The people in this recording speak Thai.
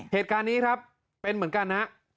เหตุการณ์นี้ครับเป็นเหมือนกันฮะ